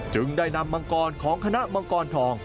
จึงได้นำมังกรของคณะมังกรทอง